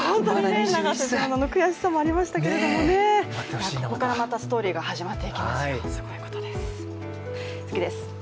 永瀬前王座の悔しさもありましたけど、ここからまたストーリーが始まっていきますよ、すごいことです。